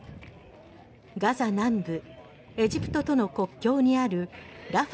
ガザ南部エジプトとの国境にあるラファ